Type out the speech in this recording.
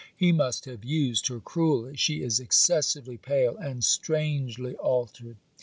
He must have used her cruelly. She is excessively pale; and strangely altered.